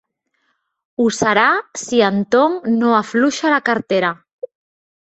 Ho serà si en Tom no afluixa la cartera.